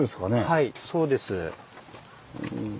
はいそうです。